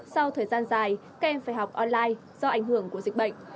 sau thời gian dài các em phải học online do ảnh hưởng của dịch bệnh